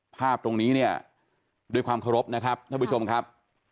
ภาพตรงนี้เนี่ยด้วยความเคารพนะครับท่านผู้ชมครับ